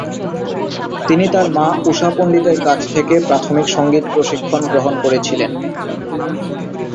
তিনি তাঁর মা ঊষা পণ্ডিতের কাছ থেকে প্রাথমিক সংগীত প্রশিক্ষণ গ্রহণ করেছিলেন।